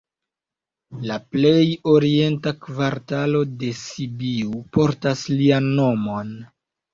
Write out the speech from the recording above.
La plej orienta kvartalo de Sibiu portas lian nomon.